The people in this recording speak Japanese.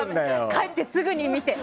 帰ってすぐに見て！